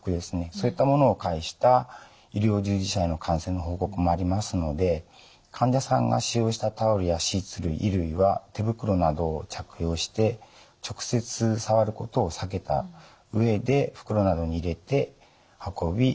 そういったものを介した医療従事者への感染の報告もありますので患者さんが使用したタオルやシーツ類衣類は手袋などを着用して直接触ることを避けた上で袋などに入れて運び